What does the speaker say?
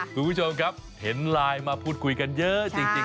คุณผู้ชมครับเห็นไลน์มาพูดคุยกันเยอะจริง